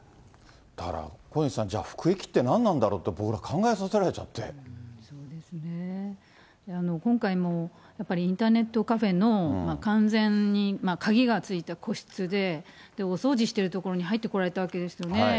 だから、小西さん、じゃあ、服役って何なんだろうって、そうですね、今回もやっぱりインターネットカフェの、完全に鍵が付いた個室で、お掃除しているところに入ってこられたわけですよね。